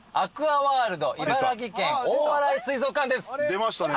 出ましたね。